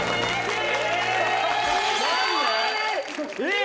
え！